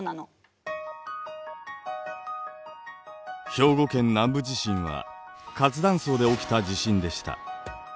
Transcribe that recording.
兵庫県南部地震は活断層で起きた地震でした。